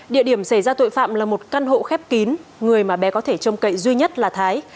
địa điểm xảy ra tội phạm là một căn hộ khép kín người mà bé có thể trông cậy duy nhất là thái